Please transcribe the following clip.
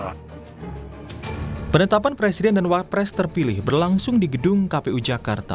kpu menyatakan prabowo subianto dan gibran raka berlangsung di gedung kpu jakarta